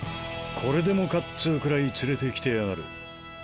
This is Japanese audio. これでもかっつうくらい連れて来てやがる。